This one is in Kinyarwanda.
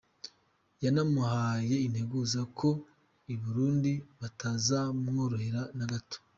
Yanamuhaye integuza ko i Burundi batazamworohera na gato.